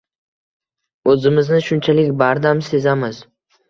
O'zimizni shunchalik bardam sezamiz.